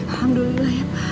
alhamdulillah ya pak